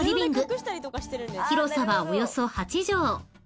［広さはおよそ８畳］